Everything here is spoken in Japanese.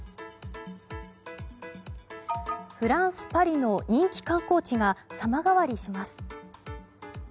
フランス・パリの人気観光地が様変わりします。